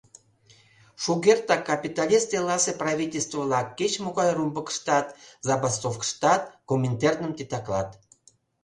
Шукертак капиталист элласе правительство-влак кеч-могай румбыкыштат, забастовкыштат Коминтерным титаклат.